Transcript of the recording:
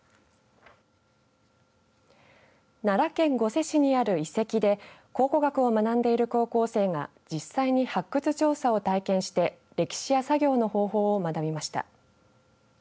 奈良県御所市にある遺跡で考古学を学んでいる高校生が実際に発掘調査を体験して歴史や作業の方法を学びました。